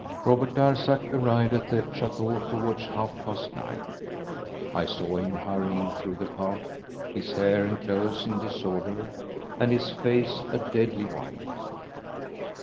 Robert Darzac arrived at the chateau towards half past nine. I saw him hurrying through the park, his hair and clothes in disorder and his face a deadly white.